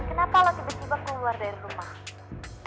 kenapa lo tiba tiba keluar dari rumah